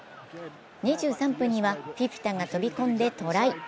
２３分には、フィフィタが飛び込んでトライ。